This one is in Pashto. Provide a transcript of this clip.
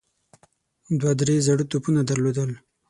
دوی درې زاړه توپونه درلودل.